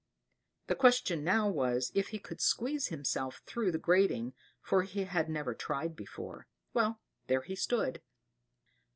The question now was, if he could squeeze himself through the grating, for he had never tried before. Well, there he stood.